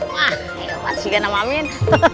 wah hebat juga namamin